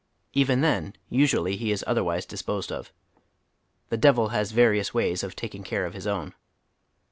Even then usually he is otherwise disposed of. The devil has various ways of taking care of his own.